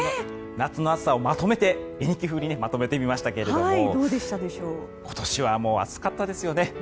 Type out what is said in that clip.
夏の暑さをまとめて絵日記風にまとめてみましたが今年は暑かったですよね。